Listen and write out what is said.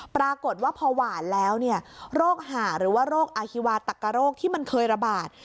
ปรากฏว่าพอหวานแล้วเนี่ยโรคหาหรือว่าโรคอฮิวาตักกะโรคที่มันเคยระบาด